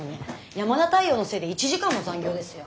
山田太陽のせいで１時間も残業ですよ。